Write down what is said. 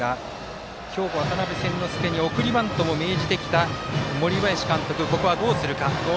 今日、渡邉千之亮に送りバントも命じてきた森林監督、ここはどうするか。